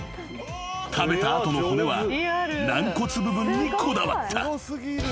［食べた後の骨は軟骨部分にこだわった］